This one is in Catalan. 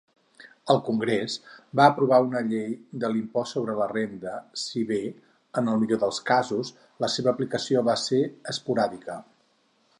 El Congrés va aprovar una llei de l'impost sobre la renda, si bé, en el millor dels casos, la seva aplicació va ser esporàdica.